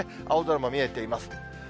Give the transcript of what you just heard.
青空も見えています。